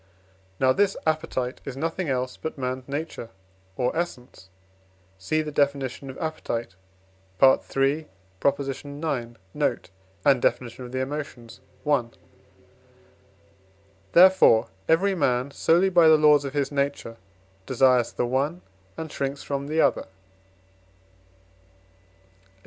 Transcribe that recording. Now this appetite is nothing else but man's nature or essence (Cf. the Definition of Appetite, III. ix. note, and Def. of the Emotions, i.). Therefore, every man, solely by the laws of his nature, desires the one, and shrinks from the other, &c.